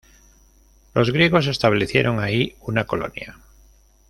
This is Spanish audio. Los griegos establecieron ahí una colonia.